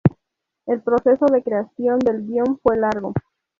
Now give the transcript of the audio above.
El proceso de creación del guión fue largo.